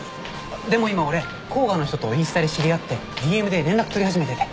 でも今俺甲賀の人とインスタで知り合ってＤＭで連絡取り始めてて。